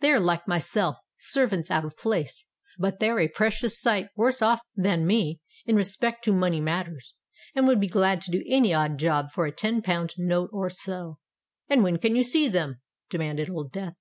"They are like myself—servants out of place; but they are a precious sight worse off than me in respect to money matters, and would be glad to do any odd job for a ten pound note or so." "And when can you see them?" demanded Old Death.